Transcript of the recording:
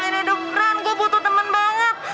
aine dukran gue butuh temen banget